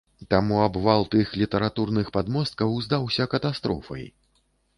Таму абвал тых літаратурных падмосткаў здаўся катастрофай.